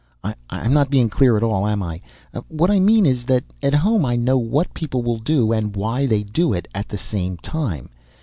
"I'm not being clear at all, am I? What I mean is that at home I know what people will do and why they do it at the same time.